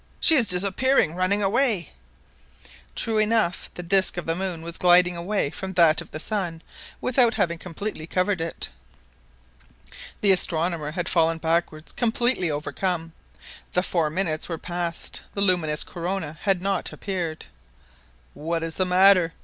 She is disappearing, running away !" True enough the disc of the moon was gliding away from that of the sun without having completely covered it ! The astronomer had fallen backwards, completely overcome. The four minutes were past. The luminous corona had not appeared ! "What is the matter?"